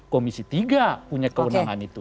komisi tiga punya kewenangan itu